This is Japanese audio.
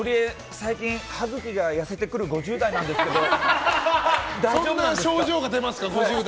最近歯茎が痩せてくる５０代なんですけどそんな症状が出ますか５０代。